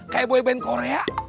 kayak boy band korea